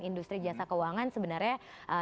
industri jasa keuangan sebenarnya